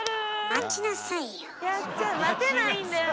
待ちなさいよ。